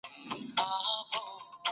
عزتمن ژوند د رښتیني غازیانو میراث دی.